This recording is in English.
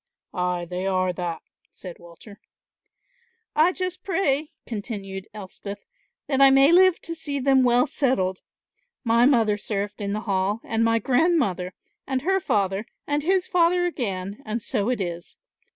"Ay, they are that," said Walter. "I just pray," continued Elspeth, "that I may live to see them well settled. My mother served in the Hall and my grandmother and her father and his father again, and so it is.